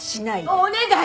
お願い！